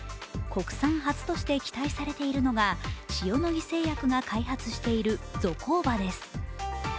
国産初として期待されているのが塩野義製薬が開発しているゾコーバです。